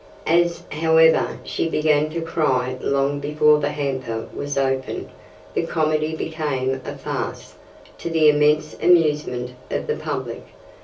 As, however, she began to cry long before the hamper was opened, the comedy became a farce, to the immense amusement of the public.